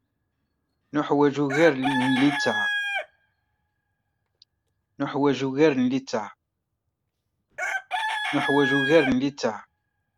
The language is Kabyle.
Neḥwaǧ ugar n litteɛ.